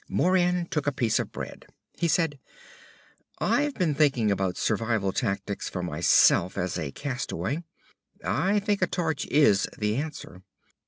Moran took a piece of bread. He said; "I've been thinking about survival tactics for myself as a castaway. I think a torch is the answer.